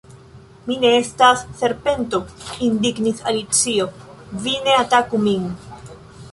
"Mi ne estas serpento," indignis Alicio, "vi ne ataku min!"